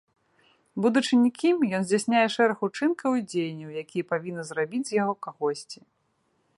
Будучы нікім, ён здзяйсняе шэраг учынкаў і дзеянняў, якія павінны зрабіць з яго кагосьці.